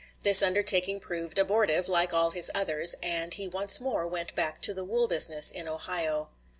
This undertaking proved abortive, like all his others, and he once more went back to the wool business in Ohio.